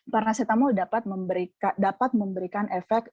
parasetamol dapat memberikan